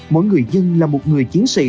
mỗi người dân là một người chiến sĩ